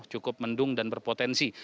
cukup mendung dan berpotensi